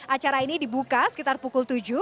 acara ini dibuka sekitar pukul tujuh